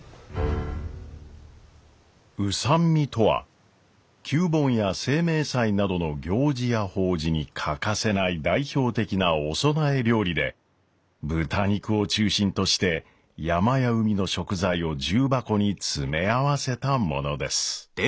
御三味とは旧盆や清明祭などの行事や法事に欠かせない代表的なお供え料理で豚肉を中心として山や海の食材を重箱に詰め合わせたものです。